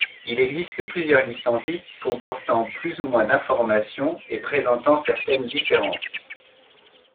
Il existe plusieurs listes antiques, comportant plus ou moins d'informations et présentant certaines différences.